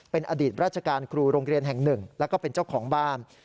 เป็นอดีตราชการครูโรงเรียนแห่งหนึ่งแล้วก็เป็นเจ้าของบ้าน